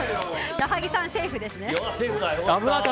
矢作さん、セーフですね。